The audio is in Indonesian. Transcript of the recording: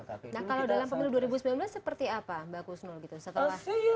nah kalau dalam panggilan dua ribu sembilan belas seperti apa mbak kusnul